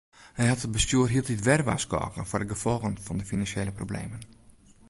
Hy hat it bestjoer hieltyd wer warskôge foar de gefolgen fan de finansjele problemen.